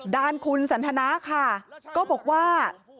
ด้านคุณสันทนาค่ะก็บอกว่า